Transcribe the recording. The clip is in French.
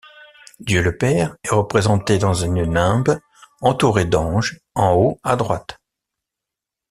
Dieu le père est représenté dans une nimbe, entouré d'anges, en haut à droite.